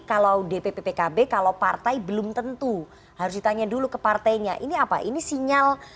kalau dpp pkb kalau partai belum tentu harus ditanya dulu ke partainya ini apa ini sinyal